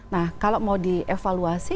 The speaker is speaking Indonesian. nah kalau mau dievaluasi